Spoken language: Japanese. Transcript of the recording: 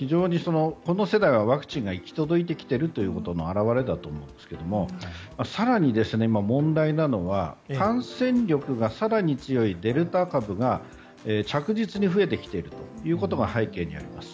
この世代はワクチンが行き届いていることの表れだと思うんですけども更に問題なのは感染力が更に強いデルタ株が着実に増えてきていることが背景にあります。